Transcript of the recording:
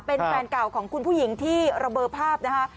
เป็นแฟนเก่าของคุณผู้หญิงที่ระเบอร์ภาพนะคะ